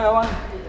itu betapa cut